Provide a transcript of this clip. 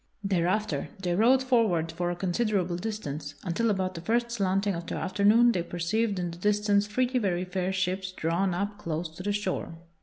Thereafter they rode forward for a considerable distance, until about the first slanting of the afternoon they perceived in the distance three very fair ships drawn up close to the shore.